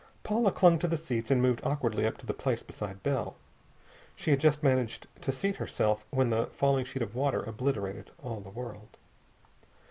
Paula clung to the seats and moved awkwardly up to the place beside Bell. She had just managed to seat herself when the falling sheet of water obliterated all the world.